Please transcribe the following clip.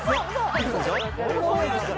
いくでしょ。